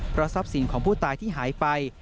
เพราะทรัพย์สินของผู้ตายที่หายไป